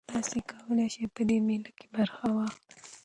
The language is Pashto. تاسي کولای شئ په دې مېله کې برخه واخلئ.